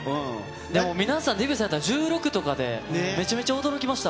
でも皆さんデビューされたの１６とかで、めちゃめちゃ驚きました。